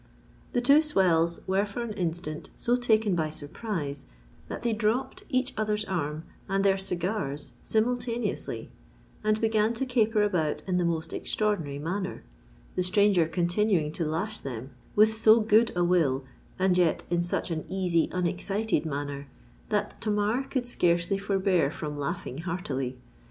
The two swells were for an instant so taken by surprise that they dropped each other's arm and their cigars simultaneously, and began to caper about in the most extraordinary manner, the stranger continuing to lash them with so good a will, and yet in such an easy, unexcited manner, that Tamar could scarcely forbear from laughing heartily.